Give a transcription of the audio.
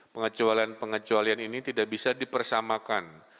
pengecualian pengecualian ini tidak bisa dipersamakan